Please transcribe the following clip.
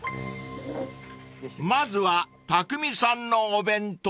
［まずはたくみさんのお弁当］